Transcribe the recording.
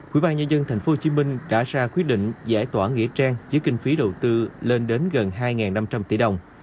quỹ ban nhân dân tp hcm đã ra quyết định giải tỏa nghĩa trang với kinh phí đầu tư lên đến gần hai năm trăm linh tỷ đồng